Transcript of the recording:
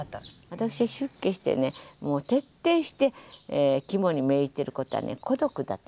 私出家してねもう徹底して肝に銘じてることはね孤独だって。